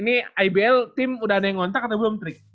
ini ibl tim udah ada yang ngontak atau belum trik